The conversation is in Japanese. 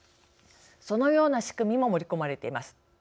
そのような仕組みも盛り込まれています。